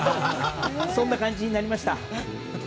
そんな感じになりました。